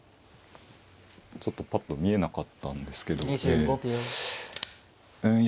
ちょっとぱっと見えなかったんですけどええ。